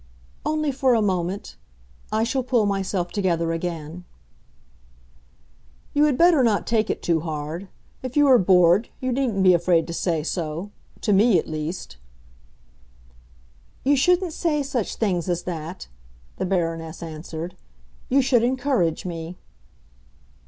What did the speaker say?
"Only for a moment. I shall pull myself together again." "You had better not take it too hard. If you are bored, you needn't be afraid to say so—to me at least." "You shouldn't say such things as that," the Baroness answered. "You should encourage me."